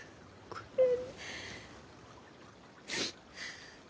ごめん。